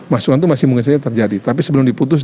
masukan itu masih mungkin saja terjadi tapi sebelum diputus